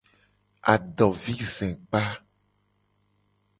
Adovizekpa.